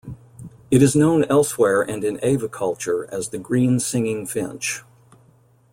It is known elsewhere and in aviculture as the green singing finch.